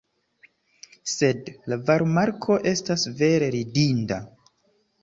Sed la varmarko estas vere ridinda!